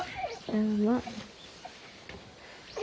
どうも。